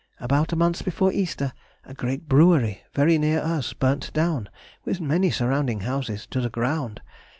About a month before Easter a great brewery, very near us, burnt down, with many surrounding houses, to the ground.